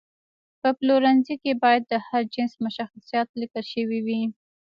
په پلورنځي کې باید د هر جنس مشخصات لیکل شوي وي.